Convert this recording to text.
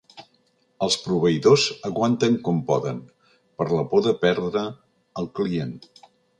Els proveïdors aguanten com poden, per la por de perdre el client.